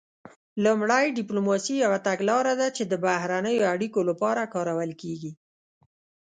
لومړی ډیپلوماسي یوه تګلاره ده چې د بهرنیو اړیکو لپاره کارول کیږي